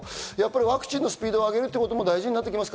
ワクチンのスピードを上げることも大事になりますか？